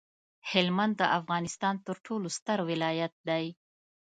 هلمند د افغانستان ترټولو ستر ولایت دی